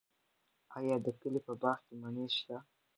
آیا د کلي په باغ کې مڼې شته؟